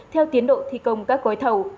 theo tiến độ thi công các gói thầu